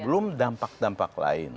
itu sudah mencapai enam puluh tujuh triliun